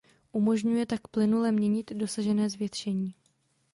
Umožňuje tak plynule měnit dosažené zvětšení.